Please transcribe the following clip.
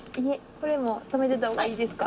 これも止めてた方がいいですか？